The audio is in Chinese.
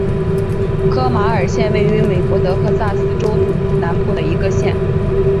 科马尔县位美国德克萨斯州中南部的一个县。